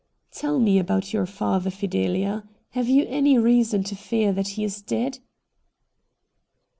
' Tell me about your father, Fidelia. Have you any reason to fear that he is dead